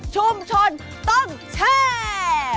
ชุมชนต้องแชร์